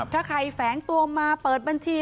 ถ้าใครแฝงตัวมาเปิดบัญชี